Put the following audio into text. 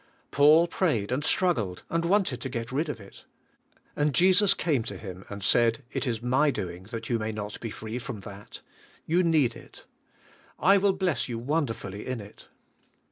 Paul prayed, and struggled, and wanted to get rid of it. And Jesus came to him, and said, "It is my doing that you may not be free from that. You need it. I will bless you wonderfully in it."